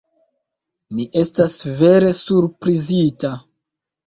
Mi estas vere surprizita!